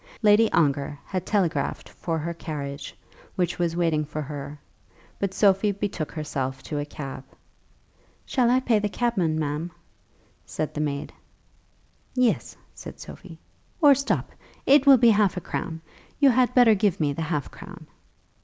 Lady Ongar had telegraphed for her carriage, which was waiting for her, but Sophie betook herself to a cab. "Shall I pay the cabman, ma'am?" said the maid. "Yes," said Sophie, "or stop. It will be half a crown. You had better give me the half crown."